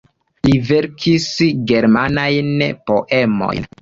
Li verkis germanajn poemojn.